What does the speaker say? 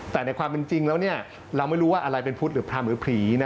แต่ในความเป็นจริงแล้วเราไม่รู้ว่าอะไรเป็นพุทธหรือพรามหรือผี